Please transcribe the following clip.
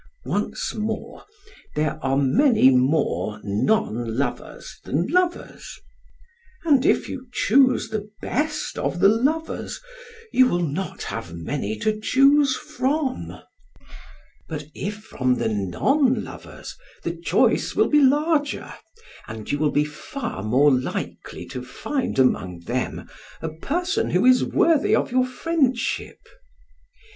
Once more, there are many more non lovers than lovers; and if you choose the best of the lovers, you will not have many to choose from; but if from the non lovers, the choice will be larger, and you will be far more likely to find among them a person who is worthy of your friendship.